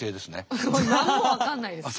何も分かんないです。